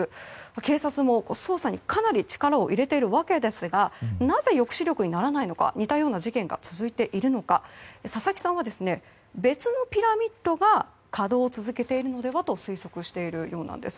警察も捜査に、かなり力を入れているわけですがなぜ、抑止力にならないのか似たような事件が続いているのか佐々木さんは別のピラミッドが稼働を続けているのではと推測しているようなんです。